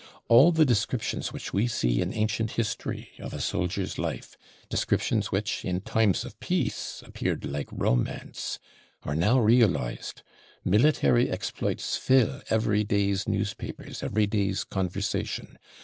All the descriptions which we see in ancient history of a soldier's life descriptions which, in times of peace, appeared like romance are now realised; military exploits fill every day's newspapers, every day's conversation.